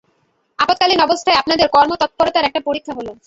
আপদকালীন অবস্থায় আপনাদের কর্মতৎপরতার একটা পরীক্ষা হলো।